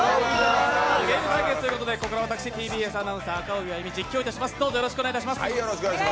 ゲーム対決ということでここから私、ＴＢＳアナウンサー・赤荻歩、実況いたします。